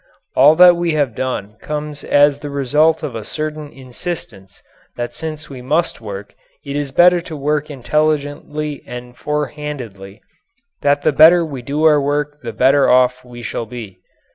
All that we have done comes as the result of a certain insistence that since we must work it is better to work intelligently and forehandedly; that the better we do our work the better off we shall be.